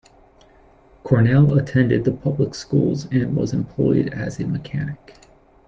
Cornell attended the public schools and was employed as a mechanic.